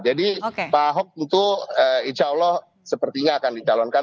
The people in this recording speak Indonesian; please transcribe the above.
jadi pak ahok itu insya allah sepertinya akan ditalonkan